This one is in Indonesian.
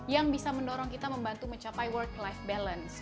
yang bisa mendorong kita membantu mencapai work life balance